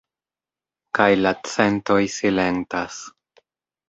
Kaj la centoj silentas.